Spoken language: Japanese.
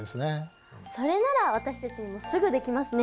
それなら私たちにもすぐできますね。